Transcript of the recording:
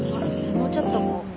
もうちょっとこう。